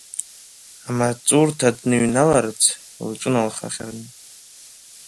Амаҵурҭа дныҩналарц, лҿыналхахьан.